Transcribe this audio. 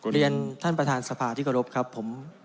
เรียนยังท่านประธานสภาที่กระลบครับผม